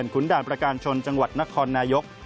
ขุนด่านประการชนจังหวัดนครนายก